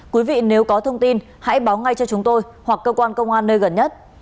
quý vị nếu có thông tin hãy báo ngay cho chúng tôi hoặc cơ quan công an nơi gần nhất